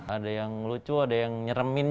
ada yang lucu ada yang nyeremin